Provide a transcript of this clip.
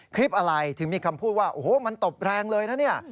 คลิปอะไรถึงมีคำพูดว่าโอ้โหมันตบแรงเลยนะเนี่ย